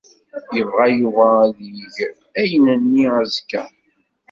Yebɣa Yuba ad yeg ayen-nni azekka.